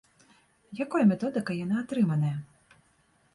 Якой методыкай яна атрыманая?